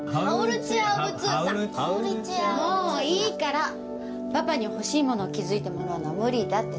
もういいからパパに欲しいものを気付いてもらうのは無